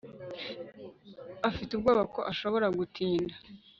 afite ubwoba ko ashobora gutinda